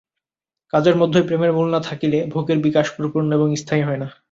কাজের মধ্যেই প্রেমের মূল না থাকিলে, ভোগের বিকাশ পরিপূর্ণ এবং স্থায়ী হয় না।